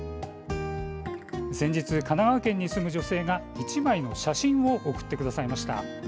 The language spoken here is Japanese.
先日、神奈川県に住む女性が１枚の写真を送ってくださいました。